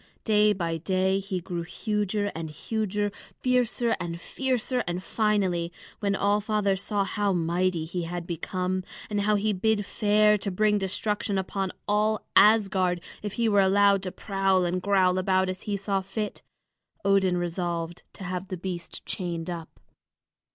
Day by day he grew huger and huger, fiercer and fiercer, and finally, when All Father saw how mighty he had become, and how he bid fair to bring destruction upon all Asgard if he were allowed to prowl and growl about as he saw fit, Odin resolved to have the beast chained up.